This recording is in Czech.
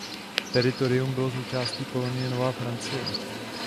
Teritorium bylo součástí kolonie Nová Francie.